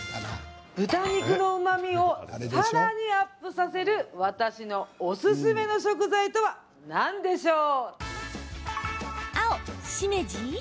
豚肉のうまみをさらにアップさせる私のおすすめの食材とは何でしょう？